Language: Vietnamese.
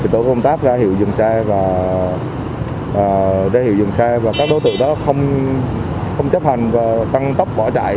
tổ công tác ra hiệu dừng xe và các đối tượng đó không chấp hành và tăng tốc bỏ chạy